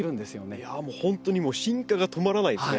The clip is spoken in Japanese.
いやもうほんとに進化が止まらないですね。